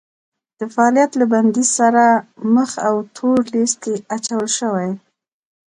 د فعالیت له بندیز سره مخ او تور لیست کې اچول شوي